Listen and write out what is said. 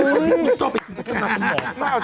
เพิ่งเอาชิ้นเนี่ยจะไม่บ้าน